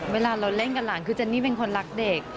เวลาเราเล่นกับหลานคือเจนนี่เป็นคนรักเด็ก